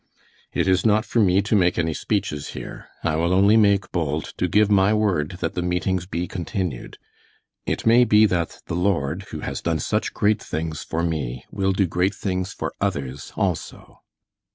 "It is not for me to make any speeches here. I will only make bold to give my word that the meetings be continued. It may be that the Lord, who has done such great things for me, will do great things for others also."